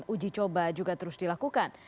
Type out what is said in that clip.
uji coba juga terus dilakukan